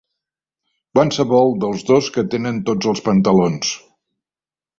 Qualsevol dels dos que tenen tots els pantalons.